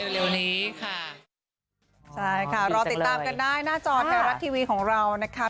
รอติดตามกันได้หน้าจอไทราททีวีของเรานะครับ